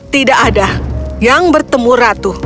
tidak ada yang bertemu ratu